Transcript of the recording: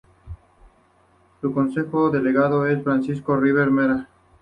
Su consejero delegado es Francisco Riberas Mera.